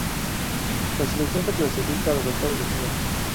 La selección se clasifica a los octavos de final.